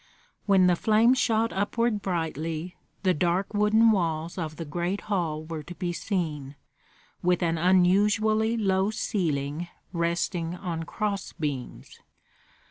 When the flame shot upward brightly, the dark wooden walls of the great hall were to be seen, with an unusually low ceiling resting on cross beams.